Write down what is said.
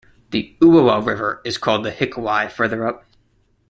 The Uawa River is called the Hikuwai further up.